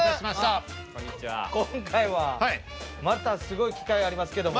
今回はまたすごい機械がありますけども。